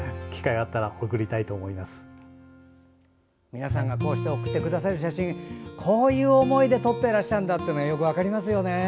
皆さんがこうして送ってくださる写真こういう思いで撮っていらっしゃるんだってよく分かりますよね。